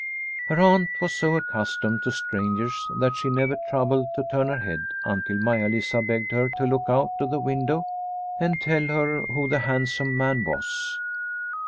Her aunt was so accustomed to strangers that she never troubled to turn her head until Maia Lisa begged her to look out of the window and tell her who the handsome man was.